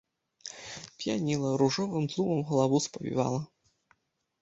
П'яніла, ружовым тлумам галаву спавівала.